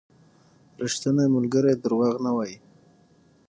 • ریښتینی ملګری دروغ نه وايي.